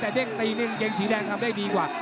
แต่เด้งตีนี่กางเกงสีแดงทำได้ดีกว่า